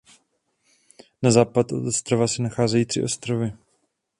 Na západ od ostrova se nacházejí tři ostrovy.